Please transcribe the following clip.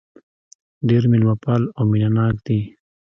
ډېر مېلمه پال او مينه ناک دي.